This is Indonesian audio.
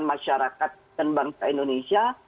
masyarakat dan bangsa indonesia